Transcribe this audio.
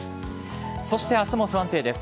そしてあすも不安定です。